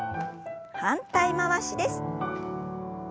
反対回しです。